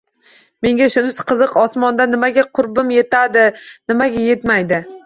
Menga shunisi qiziq: osmonda nimaga qurbim yetadi, nimaga yetmaydi